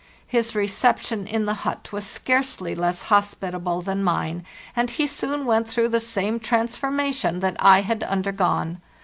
His reception in the hut was scarcely less hos pitable than mine, and he soon went through the same 540 LARTHTEST NORLLTE transformation that I had undergone.